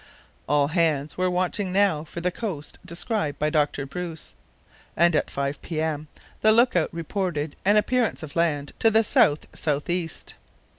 All hands were watching now for the coast described by Dr. Bruce, and at 5 p.m. the look out reported an appearance of land to the south south east.